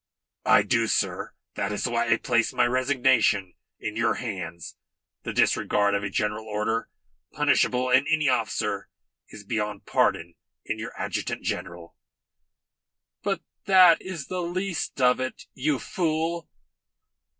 "I do, sir. That is why I place my resignation in your hands. The disregard of a general order punishable in any officer is beyond pardon in your adjutant general." "But that is the least of it, you fool."